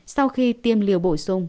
sau khi tiêm liều bổ sung